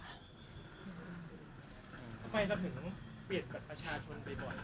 ทำไมราบถึงเปลี่ยนกับประชาชนไปบ่อย